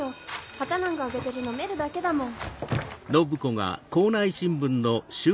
旗なんかあげてるのメルだけだもん。